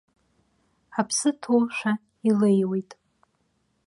Аԥсы ҭоушәа илеиуеит.